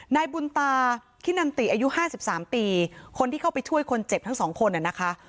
นายบุญตาคินันติอายุ๕๓ปีคนที่เข้าไปช่วยคนเจ็บทั้งสองคนน่ะนะคะ